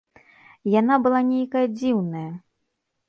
Яна была нейкая дзіўная.